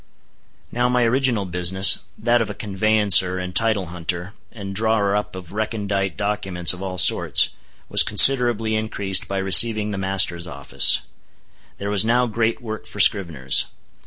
Now my original business—that of a conveyancer and title hunter, and drawer up of recondite documents of all sorts—was considerably increased by receiving the master's office. There was now great work for scriveners.